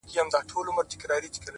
• زور يې نه وو برابر له وزيرانو,